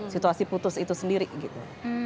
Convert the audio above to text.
situasi putus itu sendiri gitu